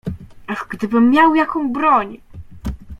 Ach, gdybym miał jaką broń!